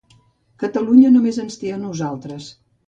Catalunya només ens té a nosaltres.